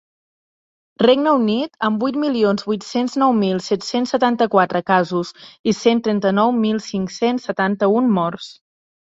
Regne Unit, amb vuit milions vuit-cents nou mil set-cents setanta-quatre casos i cent trenta-nou mil cinc-cents setanta-un morts.